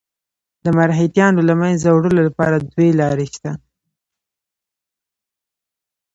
د مرهټیانو له منځه وړلو لپاره دوې لارې شته.